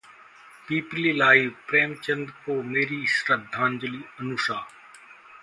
'पीपली Live' Premchand को मेरी श्रद्धांजलि: अनुषा